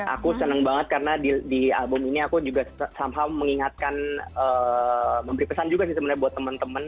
aku senang banget karena di album ini aku juga somehow mengingatkan memberi pesan juga sih sebenarnya buat teman teman